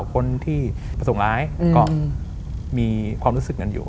คนที่ประสงค์ร้ายก็มีความรู้สึกนั้นอยู่